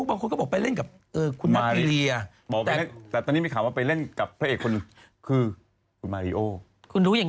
บางคนก็บอกคุณจ๋าบางคนก็บอกคุณน้อง